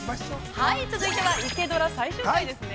続いては「イケドラ」最終回ですね。